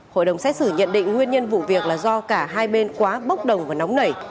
hội đồng xét xử nhận định nguyên nhân vụ việc là do cả hai bên quá bốc đồng và nóng nảy